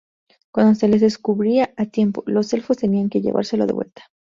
Cuando se les descubría a tiempo, los elfos tenían que llevárselo de vuelta.